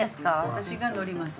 私が乗ります